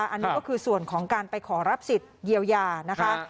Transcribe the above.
อันนี้ก็คือส่วนของการไปขอรับสิทธิ์เยียวยานะคะ